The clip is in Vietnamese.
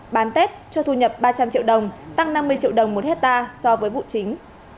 bán tết cho thu nhập ba trăm linh triệu đồng tăng năm mươi triệu đồng một hectare so với vụ chính